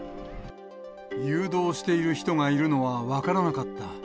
誘導している人がいるのは分からなかった。